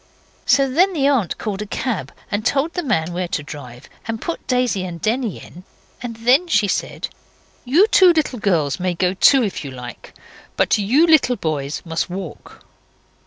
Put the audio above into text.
So then the aunt called a cab, and told the man where to drive, and put Daisy and Denny in, and then she said 'You two little girls may go too, if you like, but you little boys must walk.